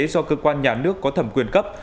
do cơ quan nhà nước có thẩm quyền cấp